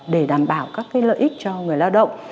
để đảm bảo các lợi ích cho người lao động